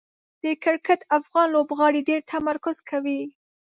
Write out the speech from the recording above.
د کرکټ افغان لوبغاړي ډېر تمرکز کوي.